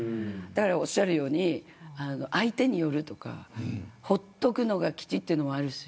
おっしゃるように相手によるとかほっとくのが吉というのもあるし。